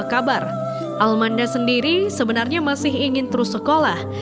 tanpa kabar almanda sendiri sebenarnya masih ingin terus sekolah